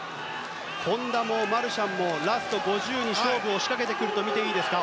本多もマルシャンもラスト５０に勝負を仕掛けてくるとみていいか。